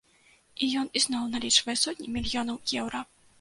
І ён ізноў налічвае сотні мільёнаў еўра.